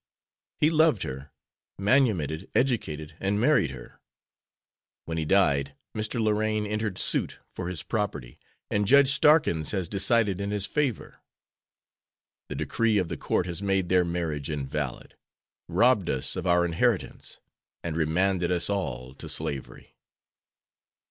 He loved her, manumitted, educated, and married her. When he died Mr. Lorraine entered suit for his property and Judge Starkins has decided in his favor. The decree of the court has made their marriage invalid, robbed us of our inheritance, and remanded us all to slavery.